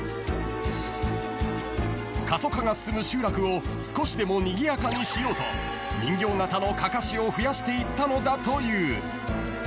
［過疎化が進む集落を少しでもにぎやかにしようと人形型のかかしを増やしていったのだという］